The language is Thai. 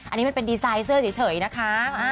อันนี้มันเป็นดีไซน์เสื้อเฉยนะคะ